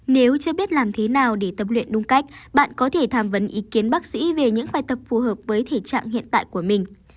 nếu chưa biết làm thế nào để tập luyện đúng cách bạn có thể tham vấn ý kiến bác sĩ về những bài tập phù hợp với thể trạng hiện tại của mình